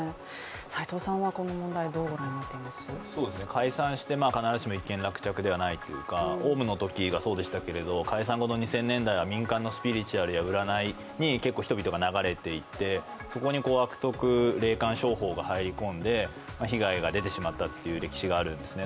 解散して、必ずしも一件落着じゃないというか、オウムのときがそうでしたが、解散後の２０００年代は民間のスピリチュアルや占いに人々が流れていて、そこに悪徳霊感商法が入り込んで被害が出てしまった歴史があるんですね。